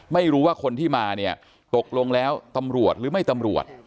ไม่รู้ว่าคนที่มาเนี่ยตกลงแล้วตำรวจหรือไม่ตำรวจ